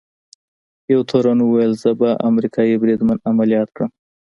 یوه تورن وویل: زه به امریکايي بریدمن عملیات کړم.